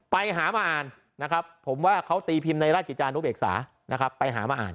ไปหามาอ่านนะครับผมว่าเขาตีพิมพ์ในราชกิจจานุเบกษานะครับไปหามาอ่าน